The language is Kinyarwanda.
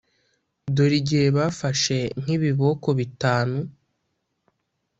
dore igihe bafashe nk'ibiboko bitanu